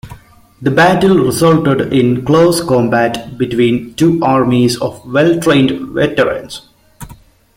The battle resulted in close combat between two armies of well-trained veterans.